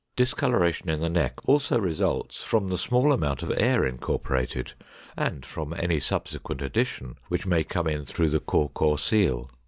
Discoloration in the neck also results from the small amount of air incorporated and from any subsequent addition which may come in through the cork or seal.